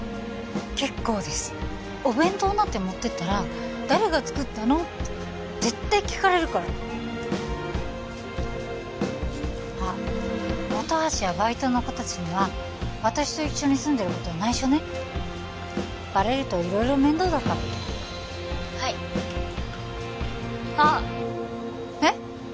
結構ですお弁当なんて持ってったら誰が作ったの？って絶対聞かれるからあっ本橋やバイトの子達には私と一緒に住んでることは内緒ねバレると色々面倒だからはいあっえっ？